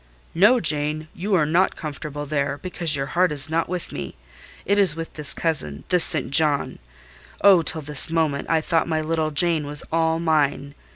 "No, Jane, you are not comfortable there, because your heart is not with me: it is with this cousin—this St. John. Oh, till this moment, I thought my little Jane was all mine!